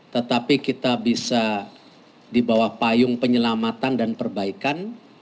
tetapi kita bisa dibawah payung penyelamatan dan perbaikan